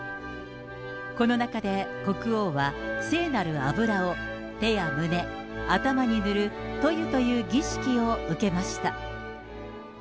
この中で、国王は聖なる油を手や胸、頭に塗る塗油という儀式を受けました。